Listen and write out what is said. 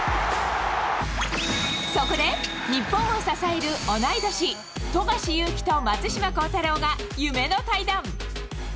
そこで、日本を支える同い年、富樫勇樹と松島幸太朗が夢の対談。